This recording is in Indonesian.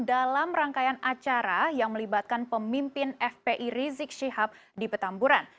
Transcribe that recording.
dalam rangkaian acara yang melibatkan pemimpin fpi rizik syihab di petamburan